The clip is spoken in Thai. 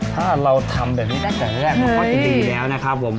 ถ้าเราทำแบบนี้แหละก็ดีแล้วนะครับผม